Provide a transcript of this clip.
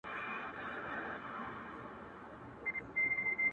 • غاښ چي رنځور سي، نو د انبور سي -